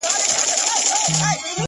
دا زما د کوچنيوالي غزل دی ؛؛